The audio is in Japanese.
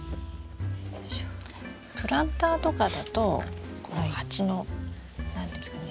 プランターとかだとこの鉢の何ていうんですかね